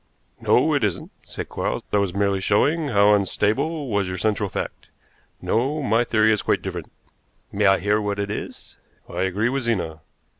"No, it isn't," said Quarles. "I was merely showing how unstable was your central fact. No, my theory is quite different." "May I hear what it is?" "I agree with Zena.